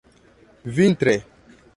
vintre